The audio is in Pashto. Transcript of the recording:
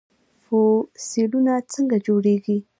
فوسیلونه څنګه جوړیږي؟